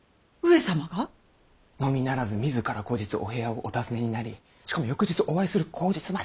のみならず自ら後日お部屋をお訪ねになりしかも翌日お会いする口実まで。